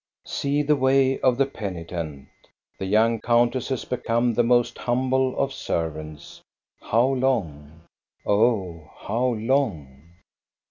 See the way of the penitent ! The young countess has become the most humble of servants. How long? Oh, how long?